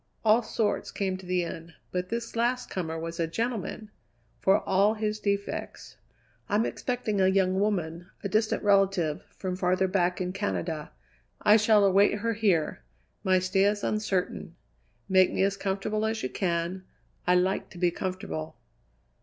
All sorts came to the inn, but this last comer was a gentleman, for all his defects. "I'm expecting a young woman, a distant relative, from farther back in Canada. I shall await her here. My stay is uncertain. Make me as comfortable as you can; I like to be comfortable."